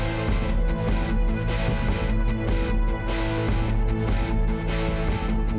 sampai jumpa lagi